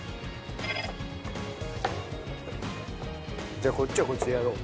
じゃあこっちはこっちでやろう。